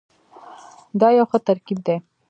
دا یو ښه ترکیب دی.